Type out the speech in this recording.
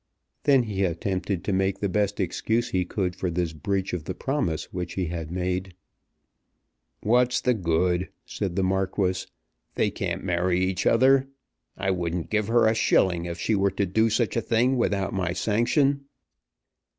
Then he attempted to make the best excuse he could for this breach of the promise which he had made. "What's the good?" said the Marquis. "They can't marry each other. I wouldn't give her a shilling if she were to do such a thing without my sanction."